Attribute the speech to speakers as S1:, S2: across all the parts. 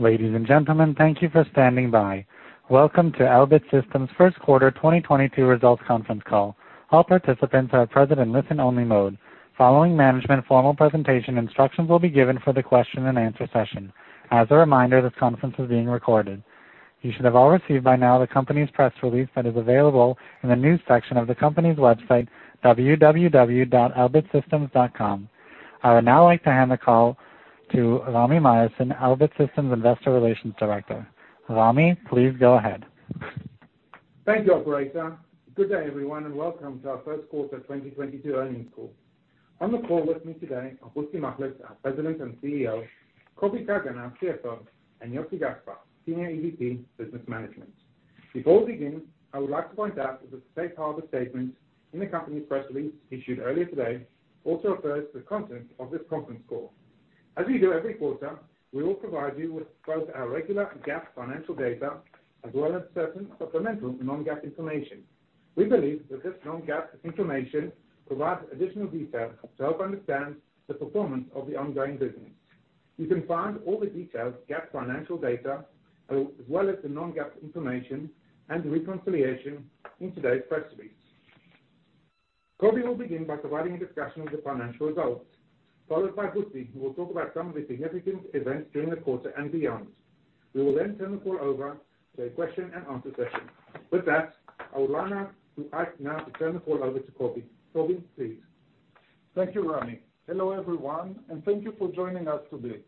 S1: Ladies and gentlemen, thank you for standing by. Welcome to Elbit Systems' Q1 2022 results conference call. All participants are present in listen-only mode. Following management formal presentation, instructions will be given for the question and answer session. As a reminder, this conference is being recorded. You should have all received by now the company's press release that is available in the news section of the company's website, www.elbitsystems.com. I would now like to hand the call to Rami Myerson, Elbit Systems Investor Relations Director. Rami, please go ahead.
S2: Thank you, operator. Good day, everyone, and welcome to our Q1 2022 earnings call. On the call with me today are Bezhalel Machlis, our president and CEO, Kobi Kagan, our CFO, and Joseph Gaspar, senior EVP, Business Management. Before we begin, I would like to point out that the safe harbor statement in the company's press release issued earlier today also applies to the content of this conference call. As we do every quarter, we will provide you with both our regular GAAP financial data, as well as certain supplemental non-GAAP information. We believe that this non-GAAP information provides additional detail to help understand the performance of the ongoing business. You can find all the detailed GAAP financial data, as well as the non-GAAP information and the reconciliation in today's press release. Kobi Kagan will begin by providing a discussion of the financial results, followed by Bezhalel Machlis, who will talk about some of the significant events during the quarter and beyond. We will then turn the call over to a question and answer session. With that, I would like to ask now to turn the call over to Kobi Kagan. Kobi Kagan, please.
S3: Thank you, Rami. Hello, everyone, and thank you for joining us today.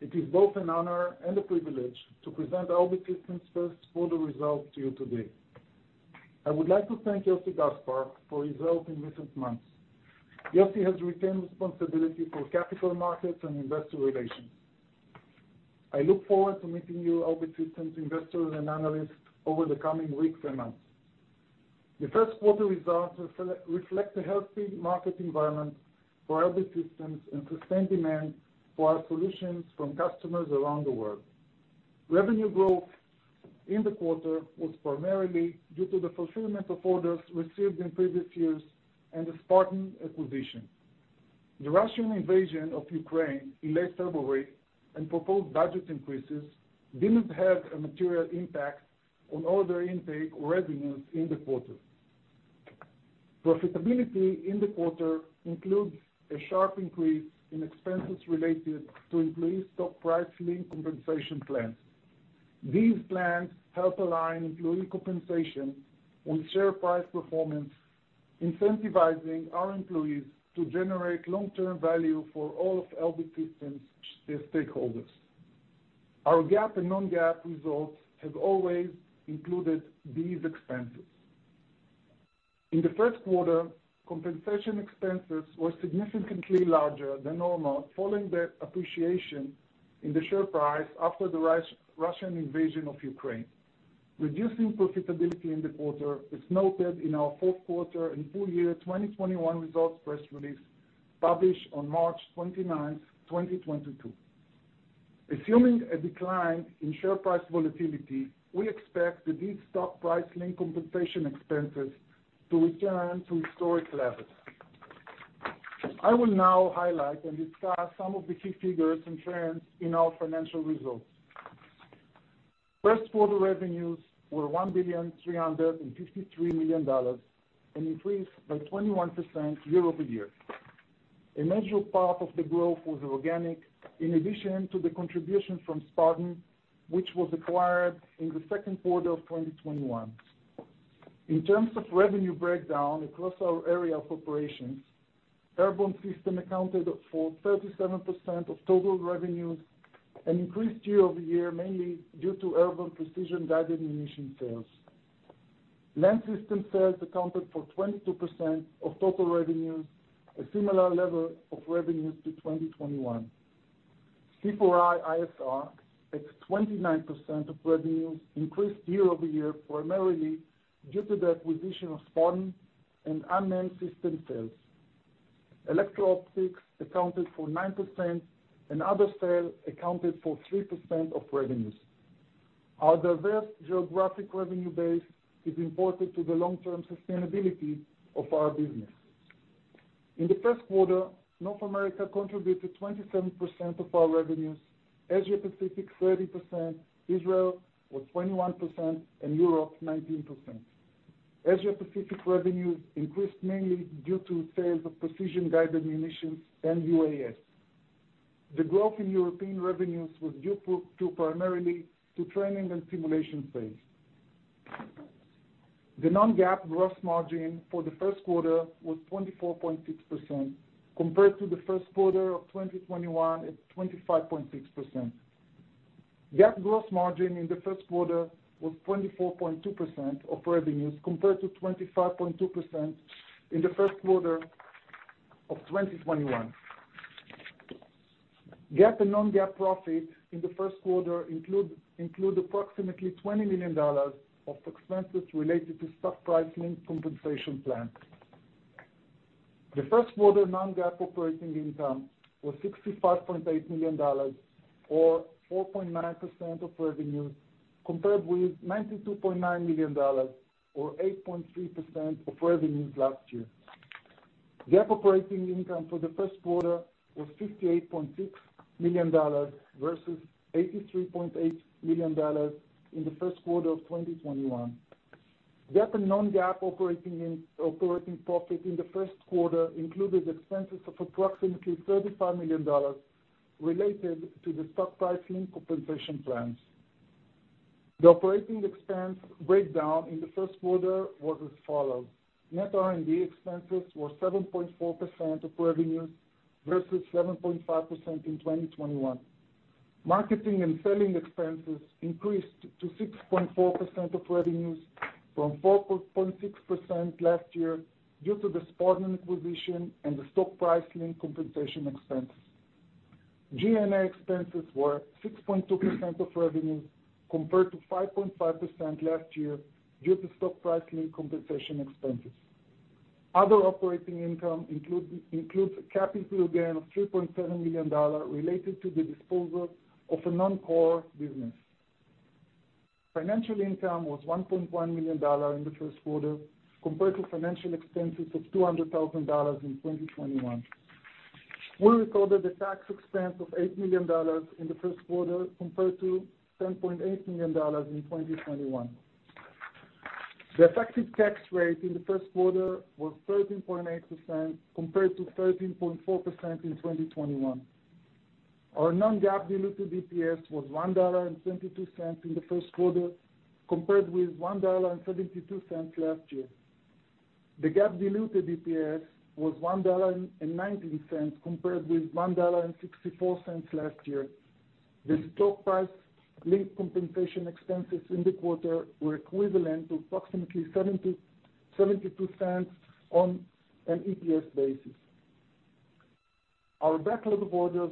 S3: It is both an honor and a privilege to present Elbit Systems' Q1 results to you today. I would like to thank Yossi Gaspar for his role in recent months. Yossi has retained responsibility for capital markets and investor relations. I look forward to meeting you Elbit Systems investors and analysts over the coming weeks and months. The first quarter results reflect a healthy market environment for Elbit Systems and sustained demand for our solutions from customers around the world. Revenue growth in the quarter was primarily due to the fulfillment of orders received in previous years and the Sparton acquisition. The Russian invasion of Ukraine in late February and proposed budget increases didn't have a material impact on order intake or revenues in the quarter. Profitability in the quarter includes a sharp increase in expenses related to increased stock price-linked compensation plans. These plans help align employee compensation with share price performance, incentivizing our employees to generate long-term value for all of Elbit Systems' stakeholders. Our GAAP and non-GAAP results have always included these expenses. In the Q1, compensation expenses were significantly larger than normal, following the appreciation in the share price after the Russian invasion of Ukraine. Reducing profitability in the quarter is noted in our Q4 and full year 2021 results press release published on March 29th, 2022. Assuming a decline in share price volatility, we expect that these stock price-linked compensation expenses to return to historic levels. I will now highlight and discuss some of the key figures and trends in our financial results. Q1 revenues were $1,353 million, an increase by 21% year-over-year. A major part of the growth was organic, in addition to the contribution from Sparton, which was acquired in the Q2 of 2021. In terms of revenue breakdown across our area of operations, Airborne Systems accounted for 37% of total revenues and increased year-over-year, mainly due to airborne precision-guided munitions sales. Land Systems sales accounted for 22% of total revenues, a similar level of revenues to 2021. C4I ISR at 29% of revenues increased year-over-year, primarily due to the acquisition of Sparton and unmanned systems sales. Electro-Optics accounted for 9%, and other sales accounted for 3% of revenues. Our diverse geographic revenue base is important to the long-term sustainability of our business. In the Q1, North America contributed 27% of our revenues, Asia Pacific 30%, Israel was 21%, and Europe 19%. Asia Pacific revenues increased mainly due to sales of precision-guided munitions and UAS. The growth in European revenues was due primarily to training and simulation sales. The non-GAAP gross margin for the Q1 was 24.6%, compared to the Q1 of 2021 at 25.6%. GAAP gross margin in the Q1 was 24.2% of revenues, compared to 25.2% in the Q1 of 2021. GAAP and non-GAAP profit in the Q1 include approximately $20 million of expenses related to stock price-linked compensation plan. Q1 non-GAAP operating income was $65.8 million or 4.9% of revenues, compared with $92.9 million or 8.3% of revenues last year. GAAP operating income for the Q1 was $58.6 million versus $83.8 million in the Q1 of 2021. GAAP and non-GAAP operating profit in the Q1 included expenses of approximately $35 million related to the stock price-linked compensation plans. The operating expense breakdown in the Q1 was as follows. Net R&D expenses were 7.4% of revenues versus 7.5% in 2021. Marketing and selling expenses increased to 6.4% of revenues from 4.6% last year due to the Sparton acquisition and the stock price-linked compensation expenses. G&A expenses were 6.2% of revenue, compared to 5.5% last year due to stock price-linked compensation expenses. Other operating income includes a capital gain of $3.7 million related to the disposal of a non-core business. Financial income was $1.1 million in the Q1, compared to financial expenses of $200,000 in 2021. We recorded a tax expense of $8 million in the Q1, compared to $10.8 million in 2021. The effective tax rate in the Q1 was 13.8%, compared to 13.4% in 2021. Our non-GAAP diluted EPS was $1.22 in the Q1, compared with $1.72 last year. The GAAP diluted EPS was $1.19, compared with $1.64 last year. The stock price-linked compensation expenses in the quarter were equivalent to approximately 72 cents on an EPS basis. Our backlog of orders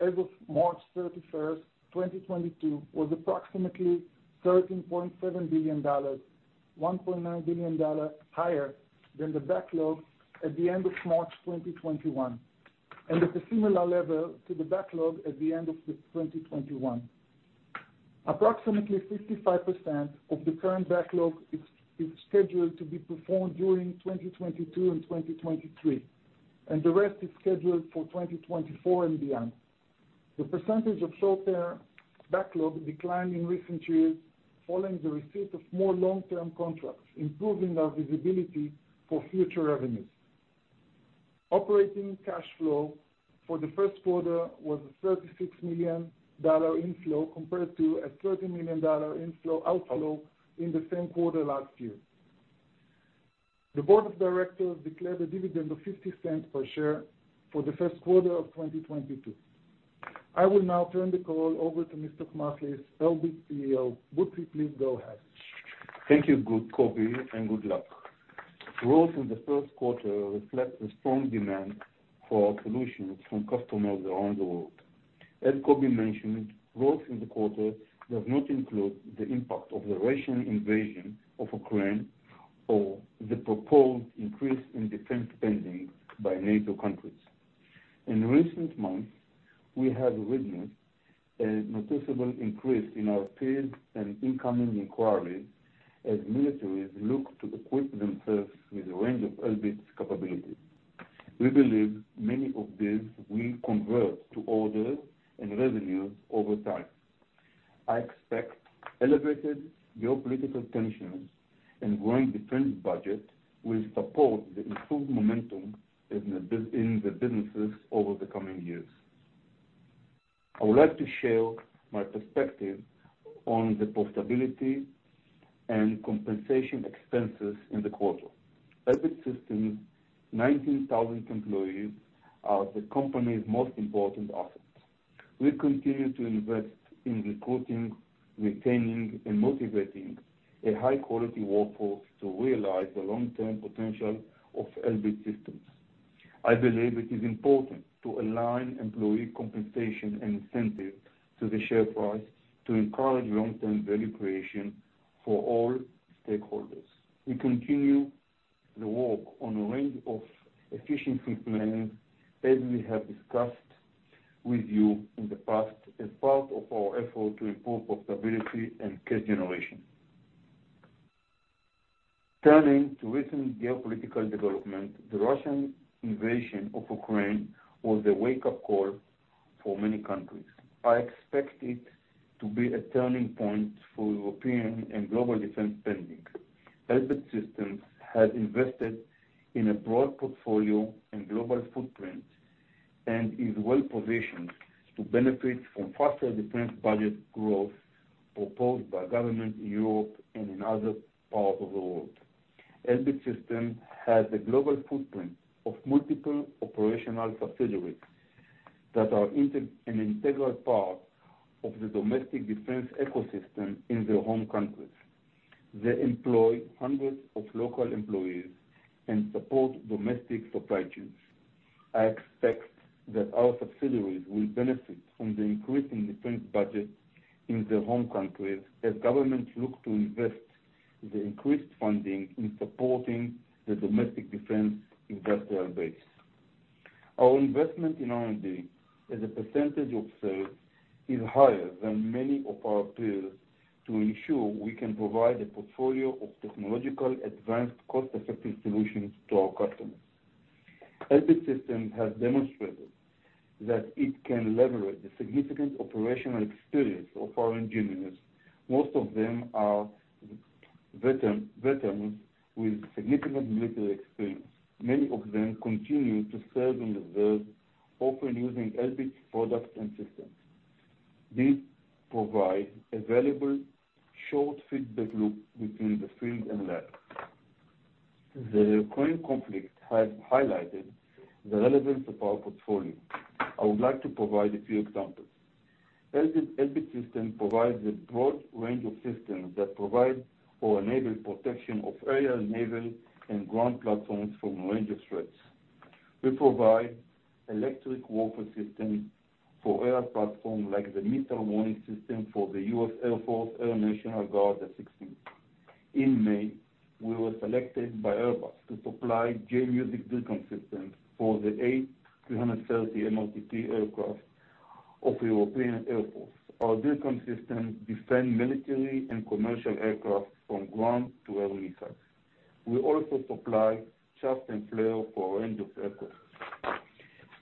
S3: as of March 31, 2022 was approximately $13.7 billion, $1.9 billion higher than the backlog at the end of March 2021, and at a similar level to the backlog at the end of 2021. Approximately 55% of the current backlog is scheduled to be performed during 2022 and 2023, and the rest is scheduled for 2024 and beyond. The percentage of short-term backlog declined in recent years following the receipt of more long-term contracts, improving our visibility for future revenues. Operating cash flow for the Q1 was a $36 million inflow, compared to a $30 million outflow in the same quarter last year. The board of directors declared a dividend of $0.50 per share for the Q1 of 2022. I will now turn the call over to Mr. Machlis, Elbit CEO. Butzi, please go ahead.
S4: Thank you, good Kobi, and good luck. Growth in the Q1 reflect the strong demand for our solutions from customers around the world. As Kobi mentioned, growth in the quarter does not include the impact of the Russian invasion of Ukraine or the proposed increase in defense spending by NATO countries. In recent months, we have witnessed a noticeable increase in our sales and incoming inquiries as militaries look to equip themselves with a range of Elbit's capabilities. We believe many of these will convert to orders and revenues over time. I expect elevated geopolitical tensions and growing defense budget will support the improved momentum in the businesses over the coming years. I would like to share my perspective on the profitability and compensation expenses in the quarter. Elbit Systems' 19,000 employees are the company's most important assets. We continue to invest in recruiting, retaining and motivating a high quality workforce to realize the long-term potential of Elbit Systems. I believe it is important to align employee compensation and incentives to the share price to encourage long-term value creation for all stakeholders. We continue the work on a range of efficiency planning, as we have discussed with you in the past, as part of our effort to improve profitability and cash generation. Turning to recent geopolitical development, the Russian invasion of Ukraine was a wake-up call for many countries. I expect it to be a turning point for European and global defense spending. Elbit Systems has invested in a broad portfolio and global footprint and is well-positioned to benefit from faster defense budget growth proposed by government in Europe and in other parts of the world. Elbit Systems has a global footprint of multiple operational subsidiaries that are an integral part of the domestic defense ecosystem in their home countries. They employ hundreds of local employees and support domestic supply chains. I expect that our subsidiaries will benefit from the increasing defense budget in their home countries as governments look to invest the increased funding in supporting the domestic defense industrial base. Our investment in R&D as a percentage of sales is higher than many of our peers to ensure we can provide a portfolio of technologically advanced, cost-effective solutions to our customers. Elbit Systems has demonstrated that it can leverage the significant operational experience of our engineers. Most of them are veterans with significant military experience. Many of them continue to serve in the reserve, often using Elbit products and systems. These provide a valuable short feedback loop between the field and lab. The Ukraine conflict has highlighted the relevance of our portfolio. I would like to provide a few examples. Elbit Systems provides a broad range of systems that provide or enable protection of aerial, naval, and ground platforms from a range of threats. We provide electronic warfare system for aerial platform like the Missile Warning System for the U.S. Air Force, Air National Guard, F-16. In May, we were selected by Airbus to supply J-MUSIC DIRCM system for the A330 MRTT aircraft of European Air Force. Our DIRCM system defend military and commercial aircraft from ground-to-air missiles. We also supply chaff and flare for a range of aircraft.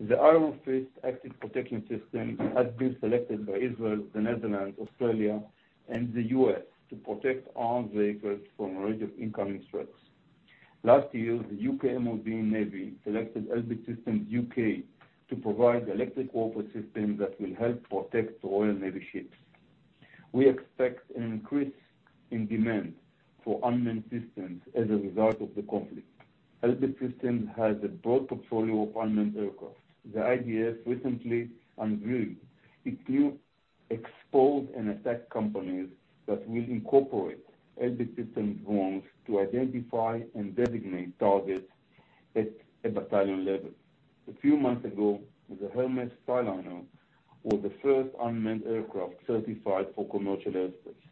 S4: The Iron Fist active protection system has been selected by Israel, the Netherlands, Australia, and the U.S. to protect armed vehicles from a range of incoming threats. Last year, the U.K. MoD selected Elbit Systems U.K. to provide electronic warfare system that will help protect the Royal Navy ships. We expect an increase in demand for unmanned systems as a result of the conflict. Elbit Systems has a broad portfolio of unmanned aircraft. The IDF recently unveiled a new reconnaissance and attack companies that will incorporate Elbit Systems drones to identify and designate targets at a battalion level. A few months ago, the Hermes 450 was the first unmanned aircraft certified for commercial airspace.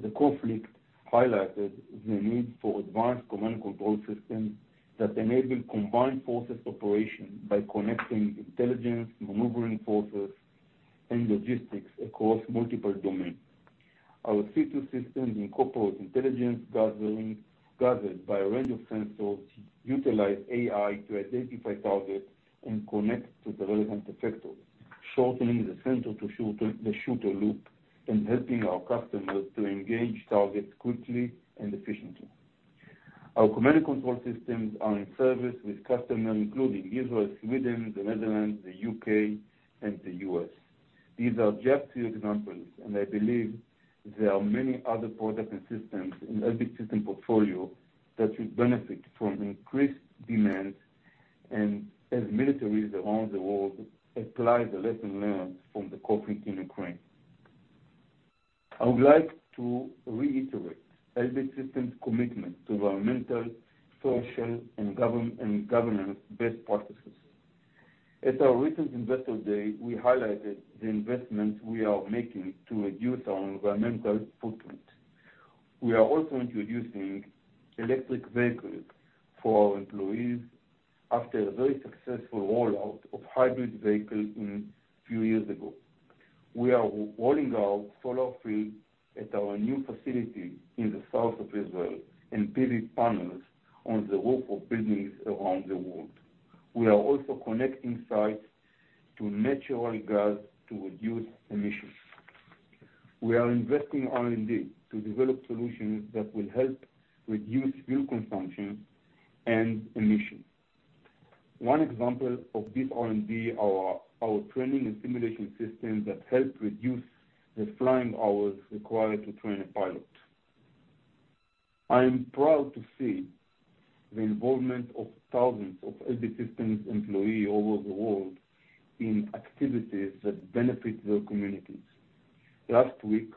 S4: The conflict highlighted the need for advanced command and control systems that enable combined forces operations by connecting intelligence, maneuvering forces, and logistics across multiple domains. Our C2 systems incorporate intelligence gathering, gathered by a range of sensors, utilize AI to identify targets, and connect to the relevant effector, shortening the sensor-to-shooter loop, and helping our customers to engage targets quickly and efficiently. Our command and control systems are in service with customers including Israel, Sweden, the Netherlands, the U.K., and the U.S. These are just a few examples, and I believe there are many other products and systems in Elbit Systems' portfolio that should benefit from increased demand as militaries around the world apply the lessons learned from the conflict in Ukraine. I would like to reiterate Elbit Systems' commitment to environmental, social, and governance best practices. At our recent Investor Day, we highlighted the investments we are making to reduce our environmental footprint. We are also introducing electric vehicles for our employees after a very successful rollout of hybrid vehicle in few years ago. We are rolling out solar field at our new facility in the south of Israel, and PV panels on the roof of buildings around the world. We are also connecting sites to natural gas to reduce emissions. We are investing R&D to develop solutions that will help reduce fuel consumption and emission. One example of this R&D are our training and simulation systems that help reduce the flying hours required to train a pilot. I am proud to see the involvement of thousands of Elbit Systems employee all over the world in activities that benefit their communities. Last week,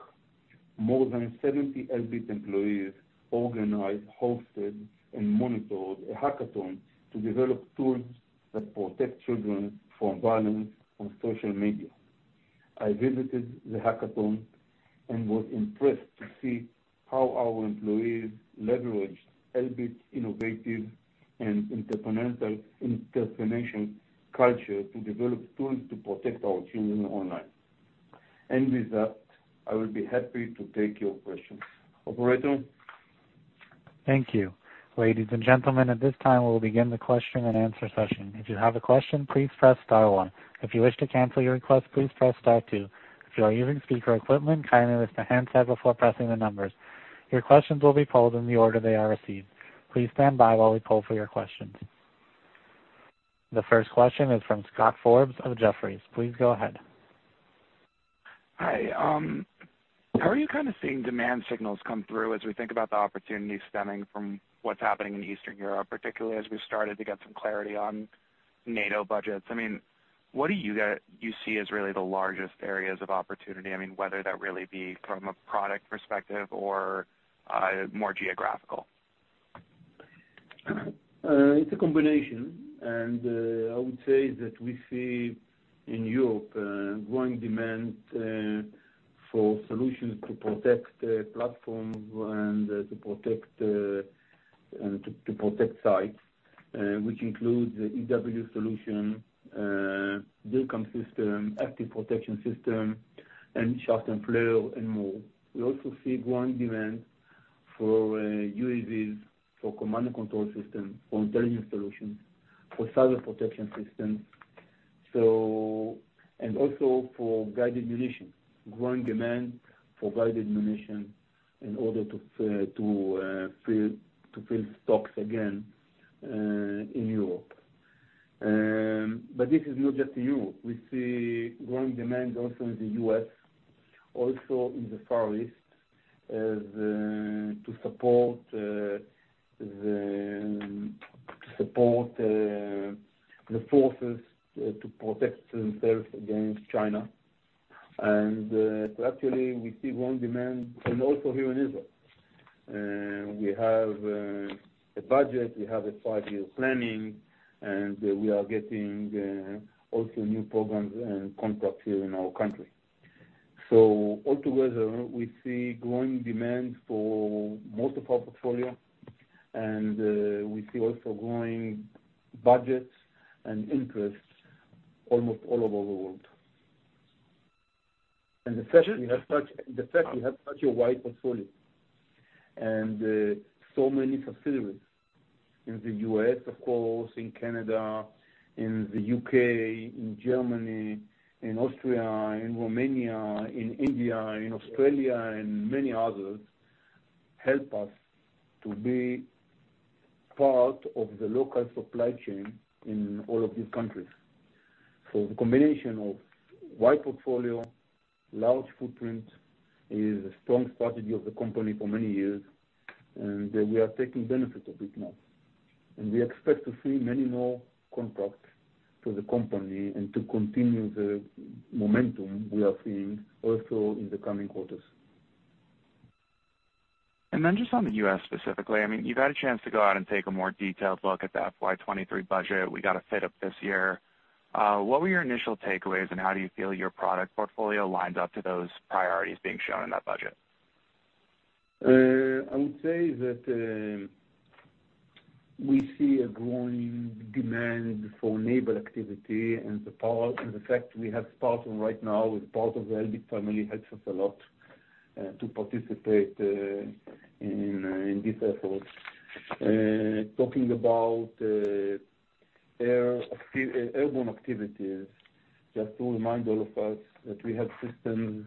S4: more than 70 Elbit employees organized, hosted, and monitored a hackathon to develop tools that protect children from violence on social media. I visited the hackathon and was impressed to see how our employees leveraged Elbit's innovative and integration culture to develop tools to protect our children online. With that, I will be happy to take your questions. Operator?
S1: Thank you. Ladies and gentlemen, at this time we will begin the question-and-answer session. If you have a question, please press star one. If you wish to cancel your request, please press star two. If you are using speaker equipment, kindly raise the handset before pressing the numbers. Your questions will be pulled in the order they are received. Please stand by while we pull for your questions. The first question is from Scott Forbes of Jefferies. Please go ahead.
S5: Hi. How are you kind of seeing demand signals come through as we think about the opportunities stemming from what's happening in Eastern Europe, particularly as we've started to get some clarity on NATO budgets? I mean, what do you see as really the largest areas of opportunity? I mean, whether that really be from a product perspective or more geographical.
S4: It's a combination. I would say that we see in Europe growing demand for solutions to protect platforms and sites, which includes the EW solution, DIRCM system, active protection system, and Chaff and Flare and more. We also see growing demand for UAVs, for command and control system, for intelligence solutions, for cyber protection systems. Also for guided ammunition. Growing demand for guided ammunition in order to fill stocks again in Europe. This is not just Europe. We see growing demand also in the U.S., also in the Far East, as to support the forces to protect themselves against China. Actually we see growing demand. Also here in Israel, we have a budget, we have a five-year planning, and we are getting also new programs and contracts here in our country. Altogether, we see growing demand for most of our portfolio, and we see also growing budgets and interests almost all over the world. The fact we have such a wide portfolio and so many facilities in the U.S., of course, in Canada, in the U.K., in Germany, in Austria, in Romania, in India, in Australia and many others, help us to be part of the local supply chain in all of these countries. The combination of wide portfolio, large footprint, is a strong strategy of the company for many years, and we are taking benefit of it now. We expect to see many more contracts to the company and to continue the momentum we are seeing also in the coming quarters.
S5: Just on the U.S. specifically, I mean, you got a chance to go out and take a more detailed look at the FY 2023 budget. We got a bit up this year. What were your initial takeaways, and how do you feel your product portfolio lines up to those priorities being shown in that budget?
S4: I would say that we see a growing demand for naval activity and the power. The fact we have Sparton right now as part of the Elbit family helps us a lot to participate in this effort. Talking about airborne activities, just to remind all of us that we have systems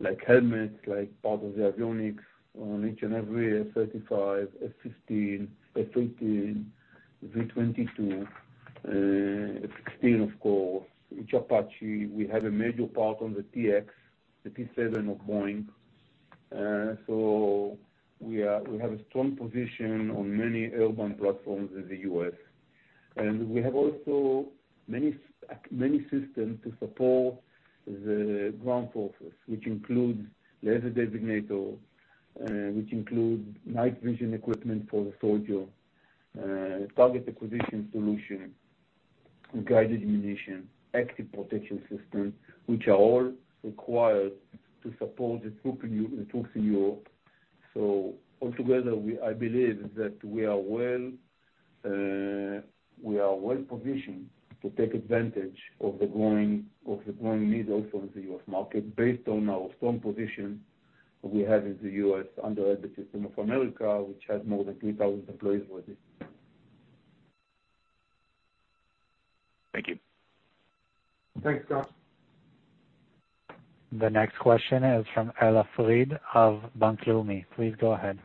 S4: like helmets, like part of the avionics on each and every F-35, F-16, F-18, V-22, F-16 of course, each Apache. We have a major part on the T-X, the T-7 of Boeing. So we have a strong position on many airborne platforms in the U.S. We have also many systems to support the ground forces, which includes laser designator, which include night vision equipment for the soldier, target acquisition solution, guided ammunition, active protection system, which are all required to support the troops in Europe. Altogether we, I believe that we are well-positioned to take advantage of the growing need also in the U.S. market based on our strong position we have in the U.S. under Elbit Systems of America, which has more than 3,000 employees with it.
S5: Thank you.
S2: Thanks, Scott.
S1: The next question is from Ella Fried of Bank Leumi. Please go ahead.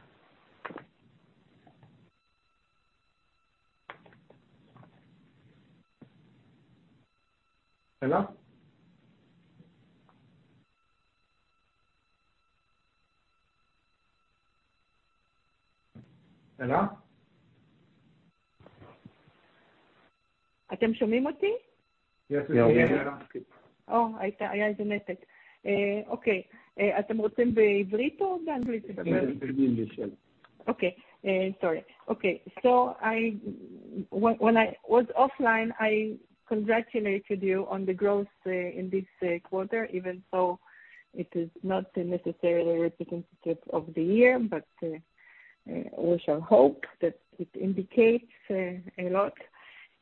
S4: Ella? Ella? Yes.
S6: When I was offline, I congratulated you on the growth in this quarter, even so it is not necessarily representative of the year. We shall hope that it indicates a lot.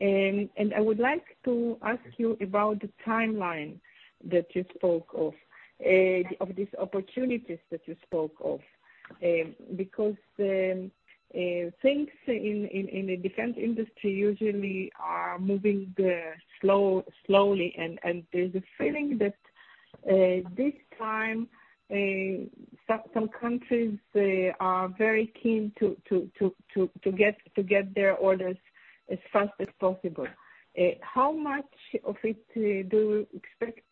S6: I would like to ask you about the timeline that you spoke of of these opportunities that you spoke of. Because things in the defense industry usually are moving slowly and there's a feeling that this time some countries are very keen to get their orders as fast as possible. How much of it do you expect,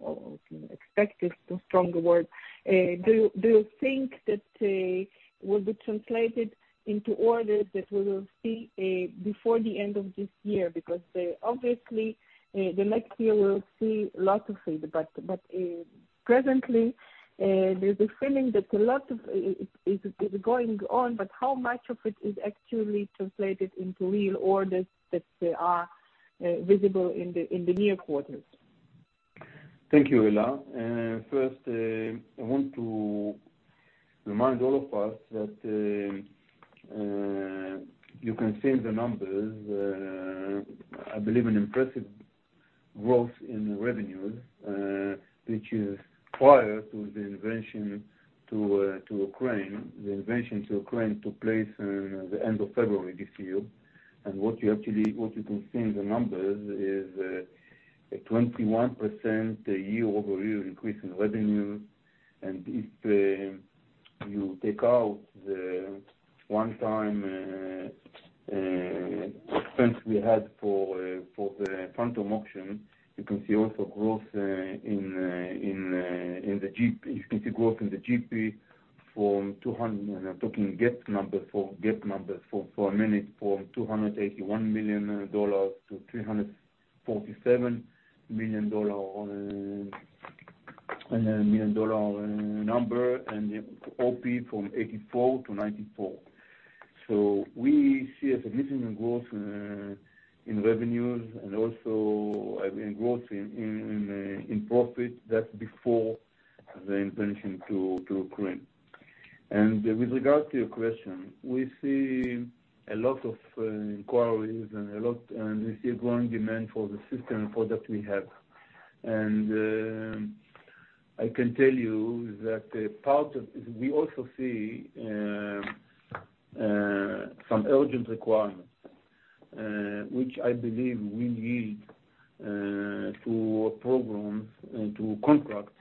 S6: or expect is too strong a word. Do you think that will be translated into orders that we will see before the end of this year? Obviously, the next year we'll see lots of it, but presently, there's a feeling that a lot of is going on, but how much of it is actually translated into real orders that are visible in the near quarters?
S4: Thank you, Ella. First, I want to remind all of us that you can see the numbers. I believe an impressive growth in revenue, which is prior to the invasion of Ukraine. The invasion of Ukraine took place in the end of February this year. What you can see in the numbers is a 21% year-over-year increase in revenue. If you take out the one-time expense we had for the phantom option, you can see also growth in the GP. You can see growth in the GP from $281 million to $347 million. I'm talking GAAP number for a minute, and the OP from $84 million to $94 million. We see a significant growth in revenues and also, I mean, growth in profit that's before the incursion into Ukraine. With regard to your question, we see a lot of inquiries, and we see a growing demand for the system product we have. I can tell you that. We also see some urgent requirements, which I believe will lead to programs into contracts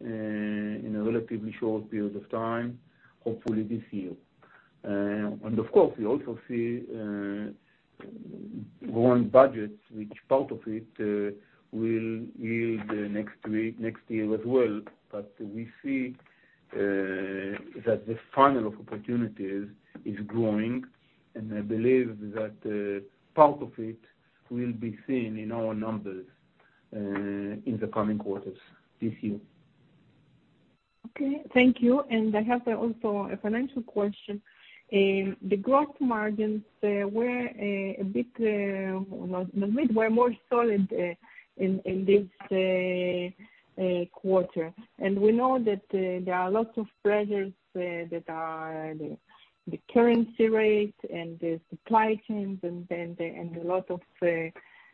S4: in a relatively short period of time, hopefully this year. Of course, we also see growing budgets, which part of it will yield next week, next year as well. We see that the funnel of opportunities is growing, and I believe that part of it will be seen in our numbers in the coming quarters this year.
S6: Okay. Thank you. I have also a financial question. In the gross margins were a bit more solid in this quarter. We know that there are lots of pressures that are the currency rate and the supply chains and a lot of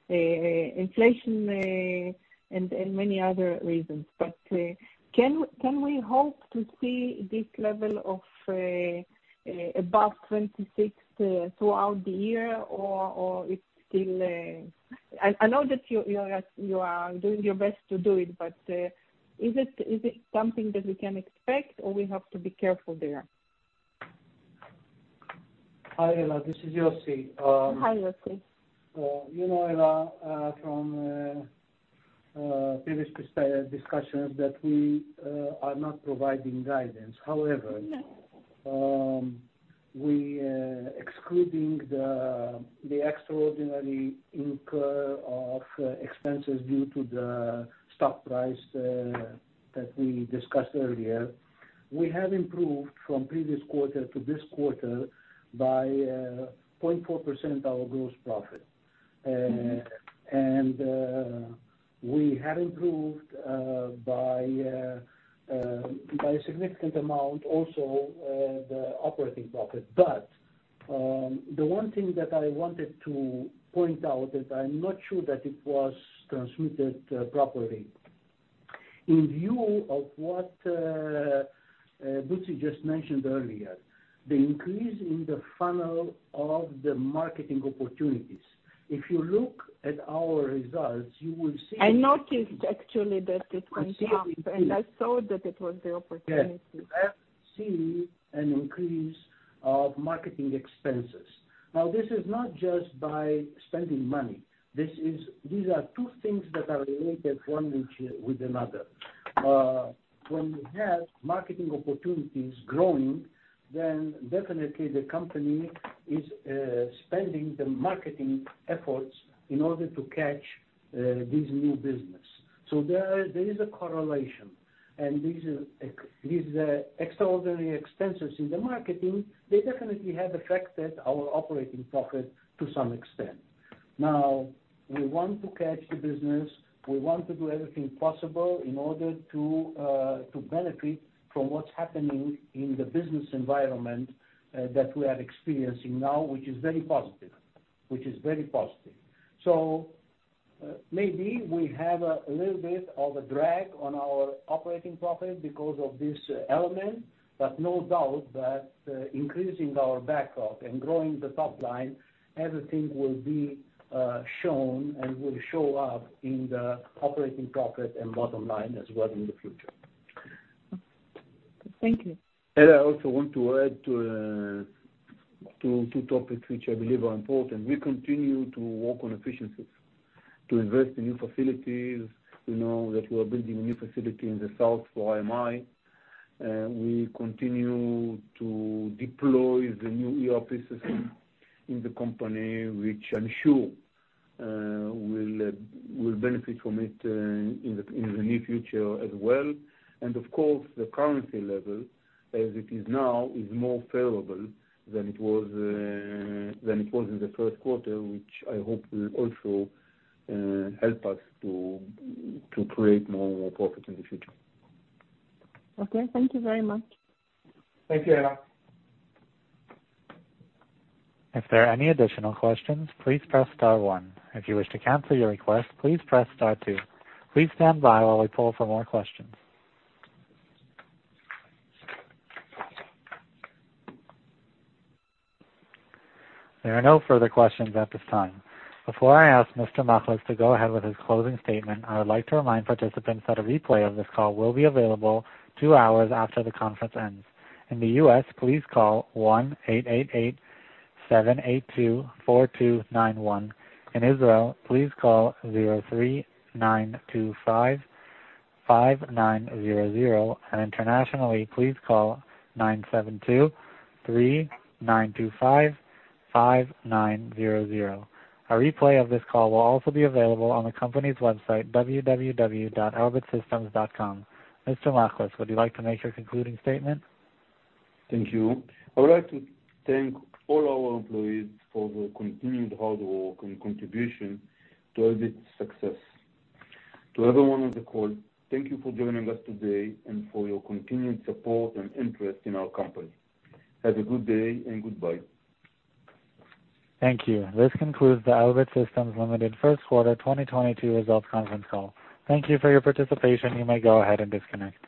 S6: inflation and many other reasons. Can we hope to see this level of above 26% throughout the year, or it's still? I know that you are doing your best to do it, but is it something that we can expect or we have to be careful there?
S7: Hi, Ella. This is Yossi.
S6: Hi, Yossi.
S7: You know, Ella, from previous discussion that we are not providing guidance. However Yeah. Excluding the extraordinary incurrence of expenses due to the stock price that we discussed earlier, we have improved from previous quarter to this quarter by 0.4% our gross profit. We have improved by a significant amount also the operating profit. The one thing that I wanted to point out that I'm not sure that it was transmitted properly. In view of what Butzi just mentioned earlier, the increase in the funnel of the marketing opportunities, if you look at our results, you will see.
S6: I noticed actually that it went up.
S7: You will see an increase. I saw that it was the opportunity. Yeah. You have seen an increase of marketing expenses. Now, this is not just by spending money. This is, these are two things that are related one with another. When we have marketing opportunities growing, then definitely the company is spending the marketing efforts in order to catch this new business. There is a correlation, and these extraordinary expenses in the marketing, they definitely have affected our operating profit to some extent. Now, we want to catch the business. We want to do everything possible in order to benefit from what's happening in the business environment that we are experiencing now, which is very positive. Maybe we have a little bit of a drag on our operating profit because of this element, but no doubt that increasing our backup and growing the top line, everything will be shown and will show up in the operating profit and bottom line as well in the future.
S6: Thank you.
S4: Ella, I also want to add to topics which I believe are important. We continue to work on efficiencies, to invest in new facilities. We know that we are building a new facility in the south for IMI, and we continue to deploy the new ERP system in the company, which I'm sure we'll benefit from it in the near future as well. Of course, the currency level as it is now is more favorable than it was in the first quarter, which I hope will also help us to create more profit in the future.
S6: Okay. Thank you very much.
S4: Thank you, Ella.
S1: If there are any additional questions, please press star one. If you wish to cancel your request, please press star two. Please stand by while we pull for more questions. There are no further questions at this time. Before I ask Mr. Machlis to go ahead with his closing statement, I would like to remind participants that a replay of this call will be available two hours after the conference ends. In the US, please call 1-888-782-4291. In Israel, please call 03-925-5900. Internationally, please call 972-3-925-5900. A replay of this call will also be available on the company's website, www.elbitsystems.com. Mr. Machlis, would you like to make your concluding statement?
S4: Thank you. I would like to thank all our employees for their continued hard work and contribution to Elbit's success. To everyone on the call, thank you for joining us today and for your continued support and interest in our company. Have a good day and goodbye.
S1: Thank you. This concludes the Elbit Systems Ltd. first quarter 2022 results conference call. Thank you for your participation. You may go ahead and disconnect.